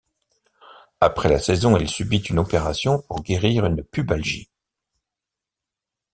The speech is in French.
Après la saison, il subit une opération pour guérir une pubalgie.